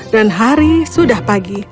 dan hari sudah pagi